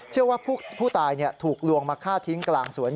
เชื่อว่าผู้ตายถูกลวงมาฆ่าทิ้งกลางสวน